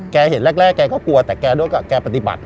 เห็นแรกแกก็กลัวแต่แกด้วยแกปฏิบัติ